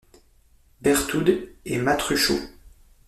Berthoud et Matruchot.